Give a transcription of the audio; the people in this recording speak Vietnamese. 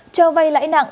châu vây lãi nặng